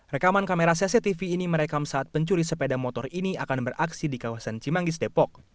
rekaman kamera cctv ini merekam saat pencuri sepeda motor ini akan beraksi di kawasan cimanggis depok